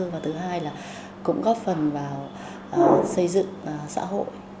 và thứ hai là cũng góp phần vào xây dựng xã hội